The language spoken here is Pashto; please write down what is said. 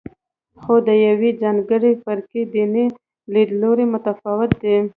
خو د یوې ځانګړې فرقې دیني لیدلوری متفاوت دی.